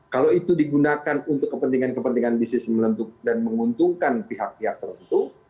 kalau itu digunakan untuk kepentingan kepentingan bisnis dan menguntungkan pihak pihak tertentu